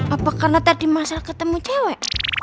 apakah tadi masal ketemu cewek